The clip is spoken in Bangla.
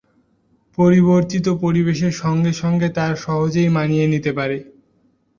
পরিবর্তিত পরিবেশের সঙ্গে সঙ্গে তারা সহজেই মানিয়ে নিতে পারে।